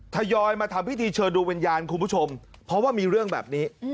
ทยอยมาทำพิธีเชิญดูวิญญาณคุณผู้ชมเพราะว่ามีเรื่องแบบนี้